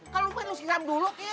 kalung main lo sekitar dulu kek